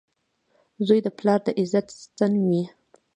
• زوی د پلار د عزت ستن وي.